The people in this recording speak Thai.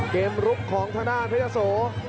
เกมรุบของทางด้านพระเจ้าโส